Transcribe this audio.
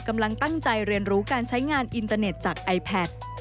กำลังตั้งใจเรียนรู้การใช้งานอินเตอร์เน็ตจากไอแพท